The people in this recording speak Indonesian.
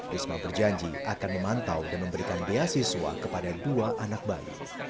risma berjanji akan memantau dan memberikan beasiswa kepada dua anak bayi